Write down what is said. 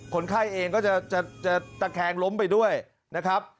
คนไข้เองก็จะตะแคงล้มไปด้วยนะครับ